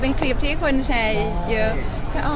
เป็นคลิปที่คนแชร์เยอะ